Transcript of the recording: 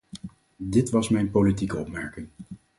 Dit was mijn politieke opmerking.